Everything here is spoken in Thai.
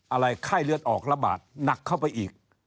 อะไรไข้เลือดออกระบาดหนักเข้าไปอีก